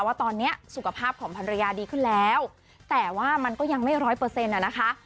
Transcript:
ว่าตอนนี้สุขภาพของภรรยาดีขึ้นแล้วแต่ว่ามันก็ยังไม่ร้อยเปอร์เซ็นต์นะคะ